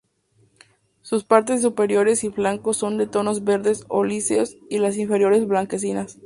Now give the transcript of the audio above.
Sus partes superiores y flancos son de tonos verde oliváceos y las inferiores blanquecinas.